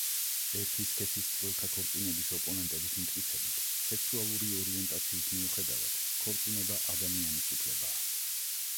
ერთი სქესის წყვილთა ქორწინების ოპონენტების მტკიცებით, სექსუალური ორიენტაციის მიუხედავად, ქორწინება ადამიანის უფლებაა.